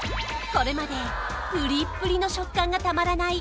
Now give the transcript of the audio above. これまでプリップリの食感がたまらない